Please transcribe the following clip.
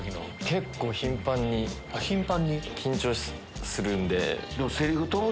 結構頻繁に緊張するんで。